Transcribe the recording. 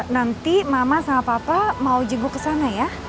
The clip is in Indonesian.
nanti mama sama papa mau jengu ke sana ya